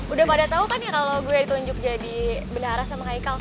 udah pada tau kan ya kalau gue ditunjuk jadi benihara sama khai khaw